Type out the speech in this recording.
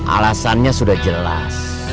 alasannya sudah jelas